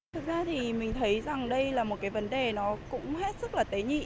thực ra thì mình thấy rằng đây là một cái vấn đề nó cũng hết sức là tế nhị